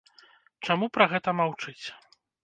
Чаму пра гэта маўчыць?